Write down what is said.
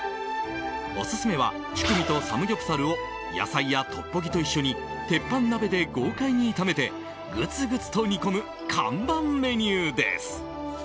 オススメはチュクミとサムギョプサルを野菜やトッポギと一緒に鉄板鍋で豪快に炒めてグツグツと煮込む看板メニューです。